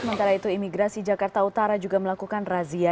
sementara itu imigrasi jakarta utara juga melakukan razia